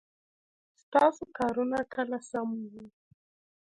ستاسو کارونه کله سم وه ؟